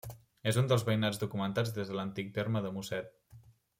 És un dels veïnats documentats des d'antic del terme de Mosset.